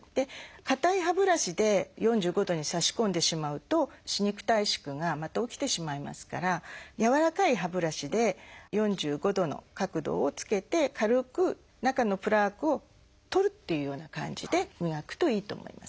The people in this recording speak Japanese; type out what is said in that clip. かたい歯ブラシで４５度に差し込んでしまうと歯肉退縮がまた起きてしまいますからやわらかい歯ブラシで４５度の角度をつけて軽く中のプラークを取るっていうような感じで磨くといいと思います。